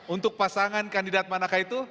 untuk pasangan kandidat manakah itu